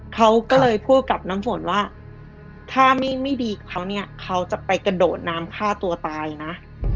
เขาก็เลยพูดกับน้ำฝนว่าถ้าไม่ดีกับเขาเนี่ยเขาจะไปกระโดดน้ำฆ่าตัวตายนะ